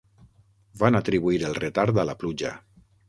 Van atribuir el retard a la pluja.